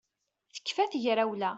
Tekfa tegrawla